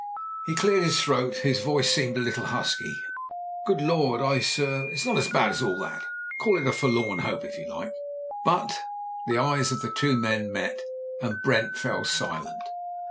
He cleared his throat; his voice seemed a little husky. "Good Lord I sir — it's not as bad as that. Call it a forlorn hope, if you like, but .•." The eyes of the two men met, and Brent fell silent.